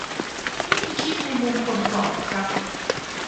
นี่คือคิดในมุมคนจอดครับ